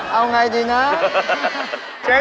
เอายังไงดีเนี่ย